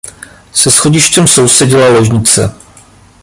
Se schodištěm sousedila ložnice.